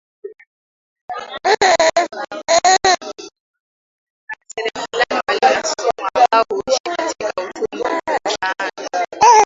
Bakteria fulani walio na sumu ambao huishi katika utumbo huzaana